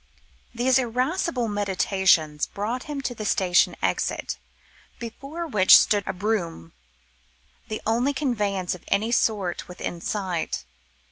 These irascible meditations brought him to the station exit, before which stood a closed brougham, the only conveyance of any sort within sight.